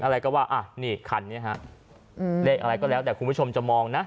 อะไรก็ว่าอ่ะนี่คันนี้ฮะเลขอะไรก็แล้วแต่คุณผู้ชมจะมองนะ